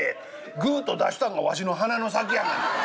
ぐっと出したんがわしの鼻の先やがな。